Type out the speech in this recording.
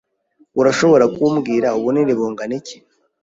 Urashobora kumbwira ubunini bungana iki?